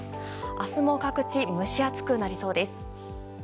明日も各地蒸し暑くなりそうです。